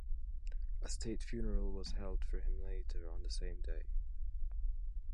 A state funeral was held for him later on the same day.